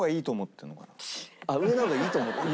上の方がいいと思ってる。